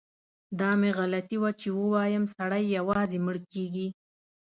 دا مې غلطي وه چي ووایم سړی یوازې مړ کیږي.